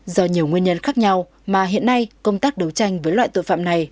do nhiều nguyên nhân khác nhau mà hiện nay công tác đấu tranh với loại tội phạm này